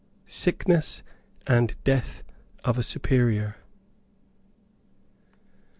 SICKNESS AND DEATH OF A SUPERIOR.